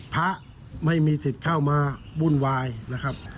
พระไม่มีสิทธิ์เข้ามาวุ่นวายนะครับ